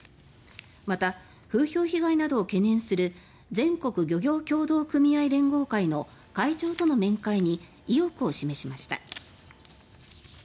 また風評被害などを懸念する全国漁業協同組合連合会の会長との面会に意欲を示しました。